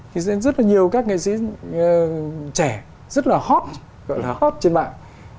thì sẽ rất là nhiều các nghệ sĩ trẻ rất là hot gọi là hot trên mạng